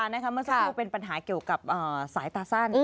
เมื่อสักครู่เป็นปัญหาเกี่ยวกับสายตาสั้น